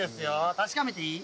確かめていい？